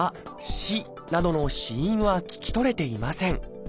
「し」などの子音は聞き取れていません。